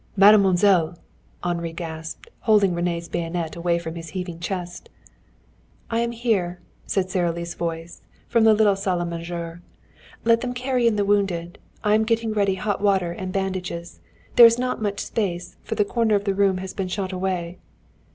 "Mademoiselle?" Henri gasped, holding René's bayonet away from his heaving chest. "I am here," said Sara Lee's voice from the little salle à manger. "Let them carry in the wounded. I am getting ready hot water and bandages. There is not much space, for the corner of the room has been shot away."